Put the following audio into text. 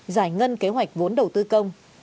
giải ngân kế hoạch vốn đầu tư công